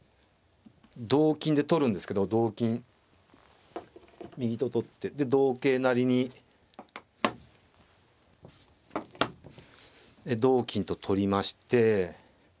同金で取るんですけど同金右と取ってで同桂成に同金と取りまして。